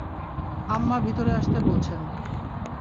আম্মা ভিতরে আসতে বলছেন।